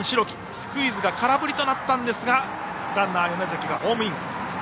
スクイズが空振りとなったんですがランナー、米崎がホームイン。